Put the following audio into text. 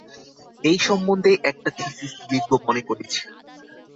এই সম্বন্ধে একটা থীসিস লিখব মনে করেছি।